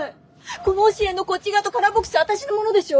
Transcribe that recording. この押し入れのこっち側とカラーボックスは私のものでしょ。